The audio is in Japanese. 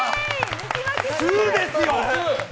２ですよ！